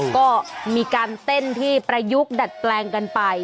ก็มีการเต้นที่ประยุกต์ดัดแปลงกันไป